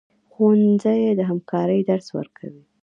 ښوونځی د همکارۍ درس ورکوي